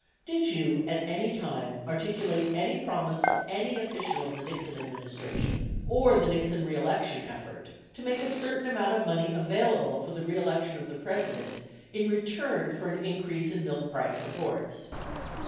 Did you at any time articulate any promise to any official of the Nixon administration or the Nixon re election effort to make a certain amount of money available for the reelection of the President in return for an increase in milk price supports?